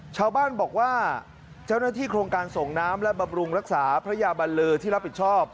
ชาวบ้านบอกว่าเจ้าหน้าที่โครงการส่งน้ำและบำรุงรักษาพระยาบัลเลอที่รับผิดชอบ